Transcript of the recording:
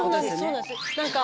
そうなんです何か。